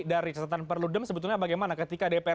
dari catatan perludem sebetulnya bagaimana ketika dpr